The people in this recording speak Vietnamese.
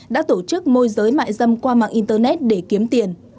đã tổ chức môi giới mại dâm qua mạng internet để kiếm tiền